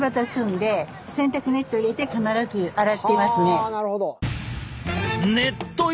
はあなるほど。